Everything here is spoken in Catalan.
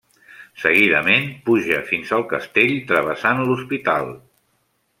Seguidament puja fins al castell travessant l'Hospital.